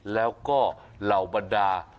แล้วก็เหล่าบรรดา